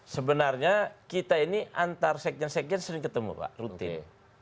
sebenarnya kita ini antar sekjen sekjen sering ketemu pak rutin